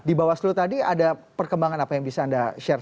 di bawaslu tadi ada perkembangan apa yang bisa anda share